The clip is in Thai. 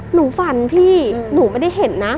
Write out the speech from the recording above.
หนูฝันพี่หนูไม่ได้เห็นนะ